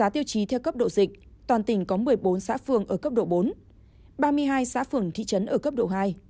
tiêu chí theo cấp độ dịch toàn tỉnh có một mươi bốn xã phường ở cấp độ bốn ba mươi hai xã phường thị trấn ở cấp độ hai